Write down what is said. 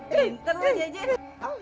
pinter lah jejen